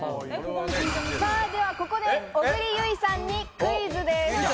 さあ、ではここで小栗有以さんにクイズです。